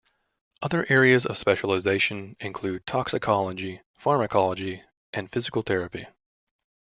Other areas of specialization include toxicology, pharmacology, and physical therapy.